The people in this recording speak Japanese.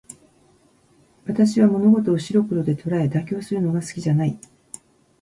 私は物事を白黒で捉え、妥協するのが好きじゃない。